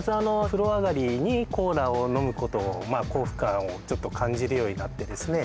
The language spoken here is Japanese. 風呂上がりにコーラを飲むことをまあ幸福感をちょっと感じるようになってですね